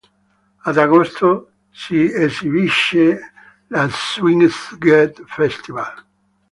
Ad agosto si esibisce al Sziget Festival.